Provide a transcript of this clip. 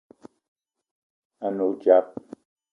A ne odzap